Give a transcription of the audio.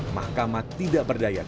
mahkamah tidak berdaya